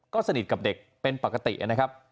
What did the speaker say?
ก็สนิทกับเด็กเป็นปกตินะครับ